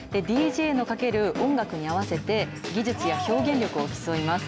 ＤＪのかける音楽に合わせて、技術や表現力を競います。